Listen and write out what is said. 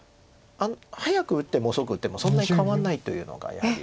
早く打っても遅く打ってもそんなに変わんないというのがやはり。